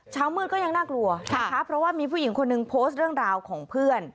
เช้ามืดก็ยังน่ากลัวนะคะเพราะว่ามีผู้หญิงคนหนึ่งโพสต์เรื่องราวของเพื่อน